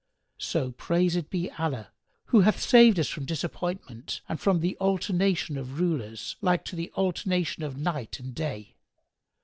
So praised be Allah who hath saved us from disappointment and from the alternation of rulers, like to the alternation of night and day!